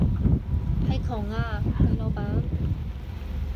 係窮啊，你老闆